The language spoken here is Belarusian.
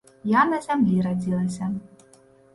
Я на зямлі радзілася.